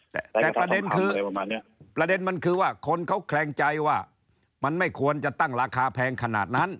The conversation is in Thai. แต่ประเด็นมันคือว่าคนเค้าแขลงใจว่ามันไม่ควรจะตั้งราคาแพงขนาดนั้น